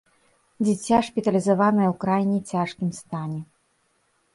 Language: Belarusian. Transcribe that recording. Дзіця шпіталізаванае ў крайне цяжкім стане.